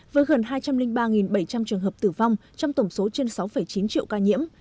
với gần hai trăm linh ba bảy trăm linh trường hợp tử vong trong tổng số trên sáu chín triệu ca nhiễm